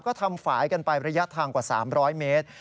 ก็ทำฝ่ายกันไประยะทางกว่า๓๐๐เมตร